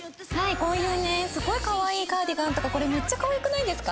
こういうねすごいかわいいカーディガンとかこれめっちゃかわいくないですか？